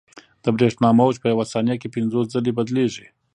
د برېښنا موج په یوه ثانیه کې پنځوس ځلې بدلېږي.